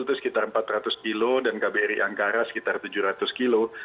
itu sekitar empat ratus kilo dan kbri angkara sekitar tujuh ratus kilo